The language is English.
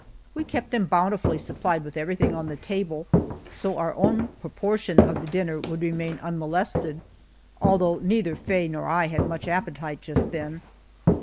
We kept them bountifully supplied with everything on the table, so our own portion of the dinner would remain unmolested, although neither Faye nor I had much appetite just then.